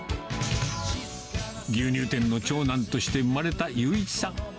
牛乳店の長男として生まれた雄一さん。